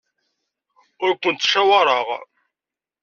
Ur kent-ttcawaṛeɣ.